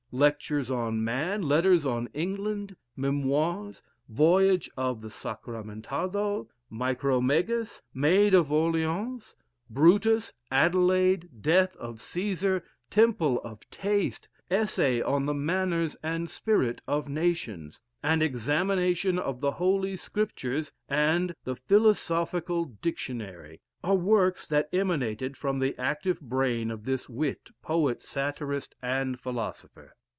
"Lectures on Man," "Letters on England," "Memoirs," "Voyage of Sacramentado," "Micromegas," "Maid of Orleans," "Brutus," "Adelaide," "Death of Cæsar," "Temple of Taste," "Essay on the Manners and Spirit of Nations," "An Examination of the Holy Scriptures," and the "Philosophical Dictionary," are works that emanated from the active brain of this wit, poet, satirist, and philosopher.